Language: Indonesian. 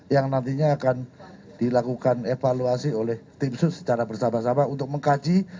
yang nantinya akan dilakukan evaluasi oleh tim sus secara bersama sama untuk mengkaji